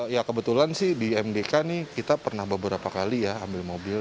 ya kebetulan sih di mdk nih kita pernah beberapa kali ya ambil mobil